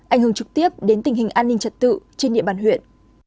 ảnh hưởng trực tiếp đến tình hình an ninh trật tự trên địa bàn huyện